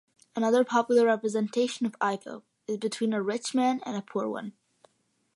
Another popular representation of Ivo is between a rich man and a poor one.